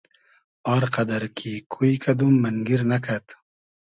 آر قئدئر کی کوی کئدوم مئنگیر نئکئد